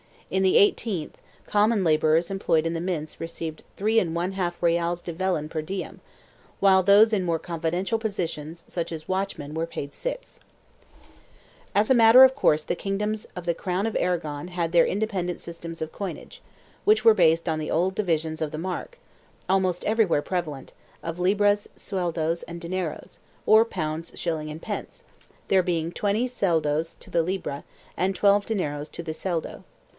In the eighteenth, common laborers employed in the mints received 3J reales de vellon per diem, while those in more confidential positions such as watchmen were paid 6.1 As a matter of course the kingdoms of the Crown of Aragon had their independent systems of coinage, which were based on the old divisions of the marc, almost everywhere prevalent, of libras, sueldos and dineros, or pounds, shillings and pence, there being 20 sueldos to the libra and 12 dineros to the sueldo.